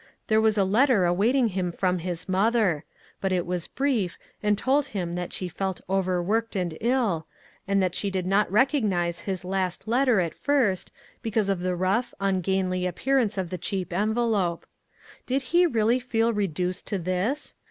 There was a letter awaiting him from his mother ; but it was brief, and told him that she felt over A VICTIM OF CIRCUMSTANQp. 155 worked and ill, and that she did not rec ognize his last letter at first, because of the rou .jh, ungainly appearance of the cheap envelope. Did he really feel re duced to this?